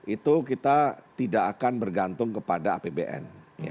itu kita tidak akan bergantung kepada apbn